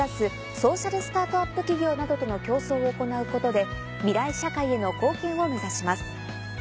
ソーシャルスタートアップ企業などとの共創を行うことで未来社会への貢献を目指します。